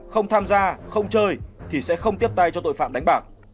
không tham gia không chơi thì sẽ không tiếp tay cho tội phạm đánh bạc